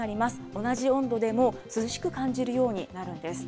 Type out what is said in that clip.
同じ温度でも、涼しく感じるようになるんです。